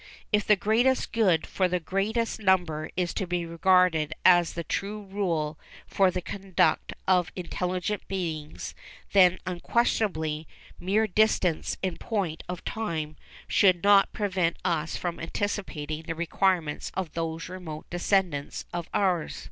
If the greatest good for the greatest number is to be regarded as the true rule for the conduct of intelligent beings, then unquestionably mere distance in point of time should not prevent us from anticipating the requirements of those remote descendants of ours.